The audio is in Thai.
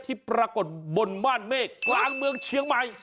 ที่ปรากฏบนม่านเมฆกลางเมืองเชียงใหม่